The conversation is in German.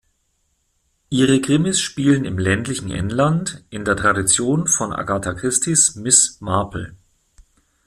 Ihre Krimis spielen im ländlichen England in der Tradition von Agatha Christies Miss Marple.